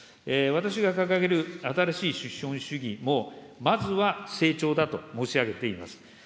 私が掲げる新しい資本主義もまずは成長だと申し上げています。